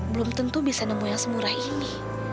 belum tentu bisa nemu yang semurah ini